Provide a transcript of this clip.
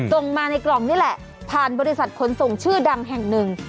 ส่งมาในกล่องนี่แหละผ่านบริษัทขนส่งชื่อดังแห่งหนึ่ง